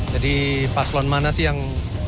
jadi paslon mana sih yang